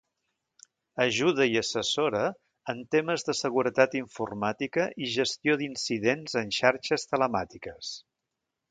Ajuda i assessora en temes de seguretat informàtica i gestió d’incidents en xarxes telemàtiques.